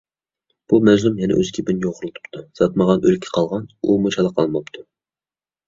بۇ مەزلۇم يەنە ئۆز گېپىنى يورغىلىتىپتۇ. ساتمىغان ئۆلىكى قالغان، ئۇمۇ چالا قالماپتۇ.